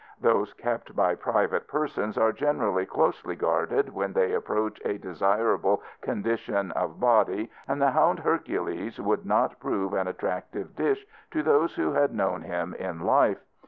Those kept by private persons are generally closely guarded when they approach a desirable condition of body, and the hound Hercules would not prove an attractive dish to those who had known him in life.